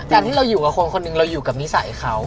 การที่เราอยู่กับคนคนหนึ่งเราอยู่กับนิสัยเขา